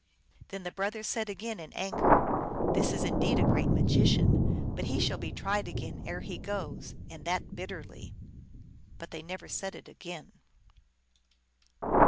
Then the brothers said again in anger, " This is indeed a great magician. Yet he shall be tried again ere he goes, and that bit terly." But they never said it again.